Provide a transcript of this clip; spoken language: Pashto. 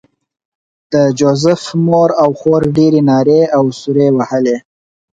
د جوزف مور او خور ډېرې نارې او سورې وهلې